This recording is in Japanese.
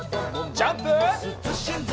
ジャンプ！